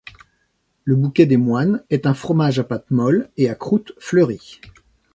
Le Bouquet des Moines est un fromage à pâte molle et à croûte fleurie.